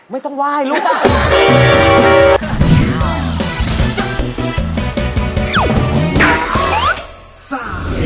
ไม่ต้องว่ายรู้ป่ะ